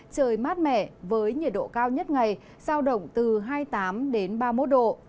trời mát mẻ với nhiệt độ cao nhất ngày sao động từ hai mươi tám đến ba mươi một độ